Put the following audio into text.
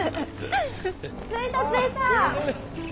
着いた着いた。